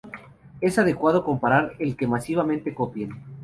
es adecuado comparar el que masivamente copien